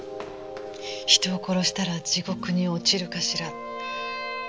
人を殺したら地獄に落ちるかしらって。